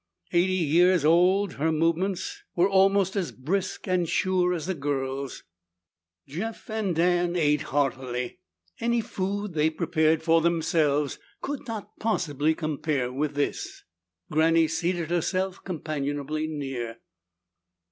Eighty years old, her movements were almost as brisk and sure as a girl's. Jeff and Dan ate heartily; any food they prepared for themselves could not possibly compare with this. Granny seated herself companionably near.